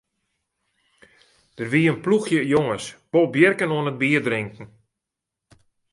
Der wie in ploechje jonges bolbjirken oan it bierdrinken.